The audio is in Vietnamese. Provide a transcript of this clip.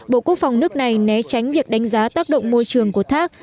bộ quốc phòng nước này né tránh việc đánh giá tác động môi trường của thác